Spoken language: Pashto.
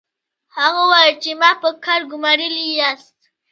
هغه وايي چې ما په کار ګومارلي یاست